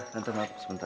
tante maaf sebentar